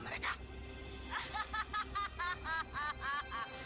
kenapa anak itu pebas